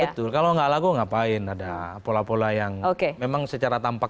boulder gitu ya kalau nggak laku ngapain ada pola pola yang oke memang secara tampak